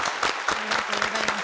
ありがとうございます。